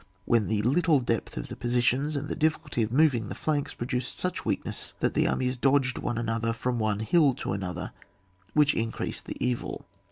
when the little depth of the positions and the difficulty of moving the flanks produced such weak ness that the armies dodged one another from one hill to another, which increased the evil.